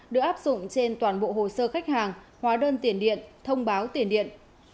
được áp dụng trên toàn bộ hồ sơ khách hàng hóa đơn tiền điện thông báo tiền điện